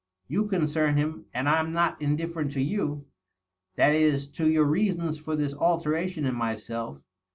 " You concern him, and I'm not indifierent to you. That is, to your reasons for this alteration in myself.